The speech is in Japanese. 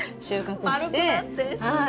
はい。